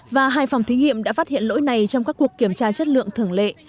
và hai phòng thí nghiệm đã phát hiện lỗi này trong các cuộc kiểm tra chất lượng thường lệ